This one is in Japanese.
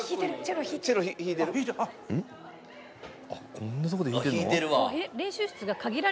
「こんなとこで弾いてるの？」